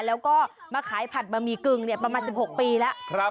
แล้วก็มาขายผัดบะหมี่กึ่งประมาณ๑๖ปีแล้ว